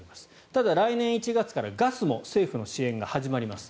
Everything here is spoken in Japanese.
ただ来年１月からガスも政府の支援が始まります。